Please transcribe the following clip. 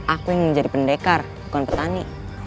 aku ingin menjadi pendekar bukan petani